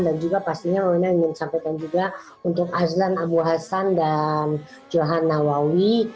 dan juga pastinya mama ina ingin sampaikan juga untuk azlan abu hasan dan johan nawawi